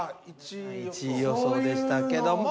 １位予想でしたけども。